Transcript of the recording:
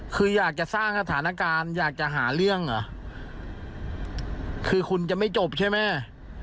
คืออยากจะสร้างสถานการณ์อยากจะหาเรื่องเหรอคือคุณจะไม่จบใช่ไหม